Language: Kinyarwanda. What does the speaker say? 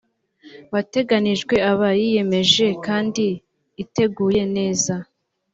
wateganijwe aba yiyemeje kandi iteguye neza